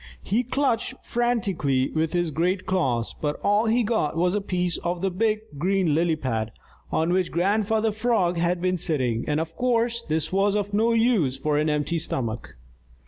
He clutched frantically with his great claws, but all he got was a piece of the big green lily pad on which Grandfather Frog had been sitting, and of course this was of no use for an empty stomach.